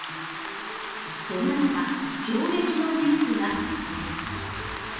そんな中、衝撃のニュースが。